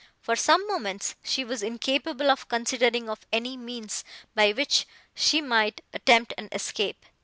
For some moments, she was incapable of considering of any means, by which she might attempt an escape.